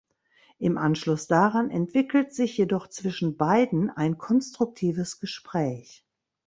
Im Anschluss daran entwickelt sich jedoch zwischen beiden ein konstruktives Gespräch.